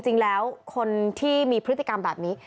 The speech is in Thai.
จริงแล้วคนที่มีพฤติกรรมแบบนี้